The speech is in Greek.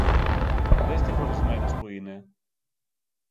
Δες τι φοβισμένος που είναι!